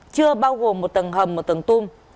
chưa bao gồm một tầng hầm một tầng tùm